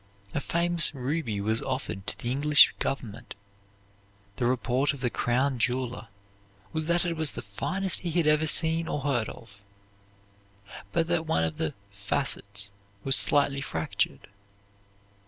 A famous ruby was offered to the English government. The report of the crown jeweler was that it was the finest he had ever seen or heard of, but that one of the "facets" was slightly fractured.